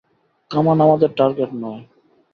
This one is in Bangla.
কামান আর আমাদের টার্গেট নয়।